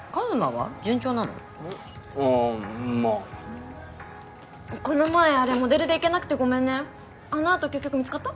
あぁまぁこの前あれモデルで行けなくてごめんねあのあと結局見つかった？